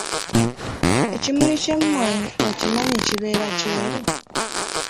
Ekimuli ky'emmwanyi okimanyi kibeera kyeru?